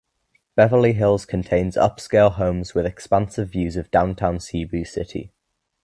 Beverly Hills contains upscale homes with expansive views of downtown Cebu City.